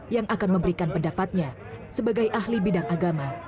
yang akan memberikan pendapatnya sebagai ahli bidang agama